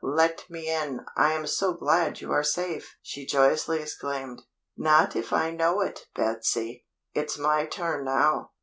Let me in! I am so glad you are safe!" she joyously exclaimed. "Not if I know it, Betsy. It's my turn now.